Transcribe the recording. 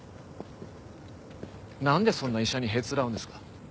なんでそんな医者にへつらうんですか？